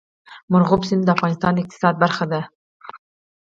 مورغاب سیند د افغانستان د اقتصاد برخه ده.